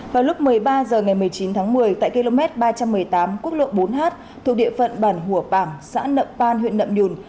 vào lúc một mươi ba h ngày một mươi chín tháng một mươi tại km ba trăm một mươi tám quốc lộ bốn h thuộc địa phận bản hùa bảng xã nậm păn huyện nậm nhùn